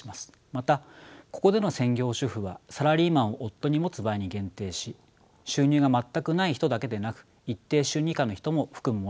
またここでの専業主婦はサラリーマンを夫に持つ場合に限定し収入が全くない人だけでなく一定収入以下の人も含むものとします。